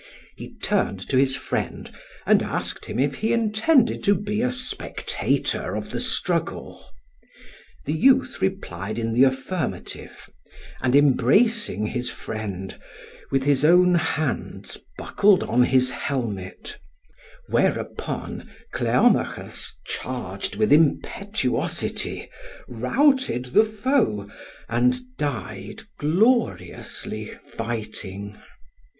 He turned to his friend and asked him if he intended to be a spectator of the struggle; the youth replied in the affirmative, and embracing his friend, with his own hands buckled on his helmet; whereupon Cleomachus charged with impetuosity, routed the foe and died gloriously fighting.